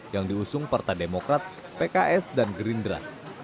yang diusung partai demokrat pks dan gerindra